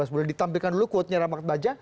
boleh ditampilkan dulu quotenya rahmat baja